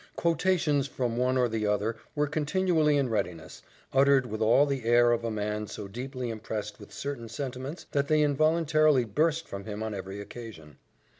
Quotations from one or the other were continually in readiness, uttered with all the air of a man so deeply impressed with certain sentiments, that they involuntarily burst from him on every occasion.